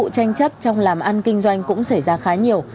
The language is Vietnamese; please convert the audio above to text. các vụ tranh chấp trong làm ăn kinh doanh cũng xảy ra khá nhiều